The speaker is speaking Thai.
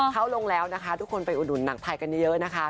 เข้าลงแล้วนะคะทุกคนไปอุดหนุนหนังไทยกันเยอะนะคะ